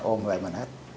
ôm về mình hết